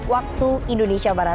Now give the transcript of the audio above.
dua puluh waktu indonesia barat